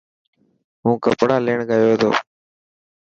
هون ڪپڙا ليڻ گيو تو.